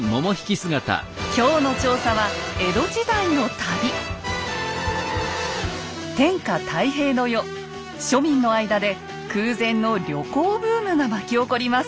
今日の調査は天下太平の世庶民の間で空前の旅行ブームが巻き起こります。